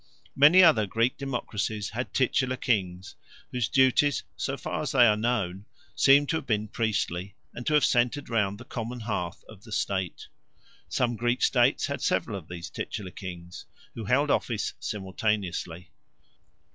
Many other Greek democracies had titular kings, whose duties, so far as they are known, seem to have been priestly, and to have centered round the Common Hearth of the state. Some Greek states had several of these titular kings, who held office simultaneously.